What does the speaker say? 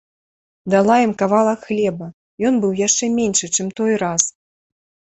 Дала ім кавалак хлеба, ён быў яшчэ меншы, чым той раз